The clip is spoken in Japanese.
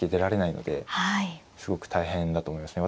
すごく大変だと思いますね。